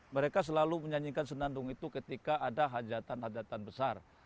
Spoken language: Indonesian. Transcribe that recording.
mereka selalu menyanyikan senandung itu ketika ada hajatan hajatan besar